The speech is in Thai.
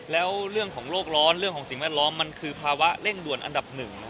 แล้วเรื่องของโรคร้อนเรื่องของสิ่งแวดล้อมมันคือภาวะเร่งด่วนอันดับหนึ่ง